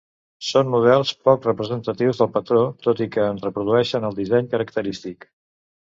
Són models poc representatius del patró, tot i que en reprodueixen el disseny característic.